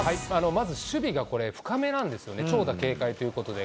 まず守備が、これ、深めなんですよね、長打警戒ということで。